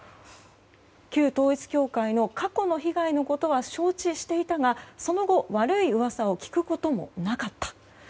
旧統一教会の過去の被害のことは承知していたがその後、悪い噂を聞くこともなかった。